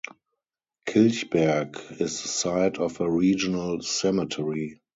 Kilchberg is the site of a regional cemetery.